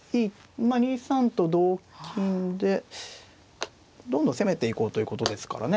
２三と同金でどんどん攻めていこうということですからね。